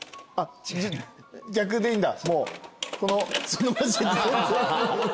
逆でいいんだ。